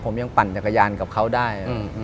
ผมยังปั่นจักรยานกับเขาได้